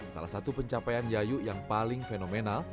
salah satu pencapaian yayu yang paling fenomenal